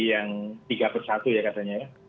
yang tiga persatu ya katanya ya